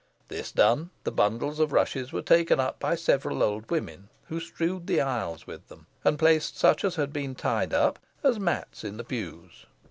This done, the bundles of rushes were taken up by several old women, who strewed the aisles with them, and placed such as had been tied up as mats in the pews.